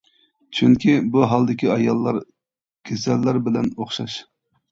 چۈنكى بۇ ھالدىكى ئاياللار كېسەللەر بىلەن ئوخشاش.